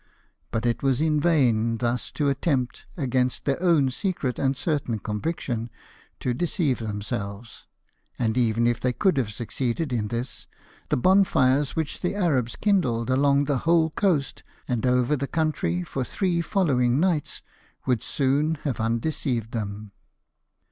But it was in vain thus to attempt, against their own secret and certain conviction, to deceive themselves; and even if they could have succeeded in this, the bonfires which the Arabs kindled along the whole coast, and over the country, for three following nights, would soon have undeceived them.